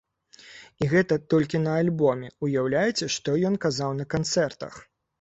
І гэта толькі на альбоме, уяўляеце што ён казаў на канцэртах?